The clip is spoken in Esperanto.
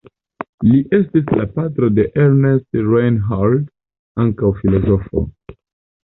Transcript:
Li estis la patro de Ernst Reinhold, ankaŭ filozofo.